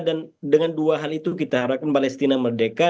dan dengan dua hal itu kita harapkan palestina merdeka